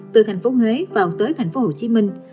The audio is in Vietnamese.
từ thành phố huế vào tới thành phố hồ chí minh